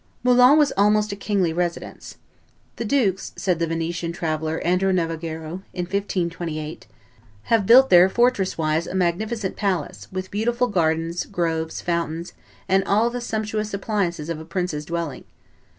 Moulins was an almost kingly residence. "The dukes," said the Venetian traveller Andrew Navagero, in 1528, "have built there fortress wise a magnificent palace, with beautiful gardens, groves, fountains, and all the sumptuous appliances of a prince's dwelling."